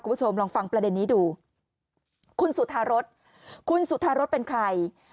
คุณผู้ชมลองฟังประเด็นนี้ดูคุณสุธารสคุณสุธารสเป็นใคร